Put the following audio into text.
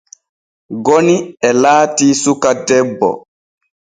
Goni e laati suka debbo.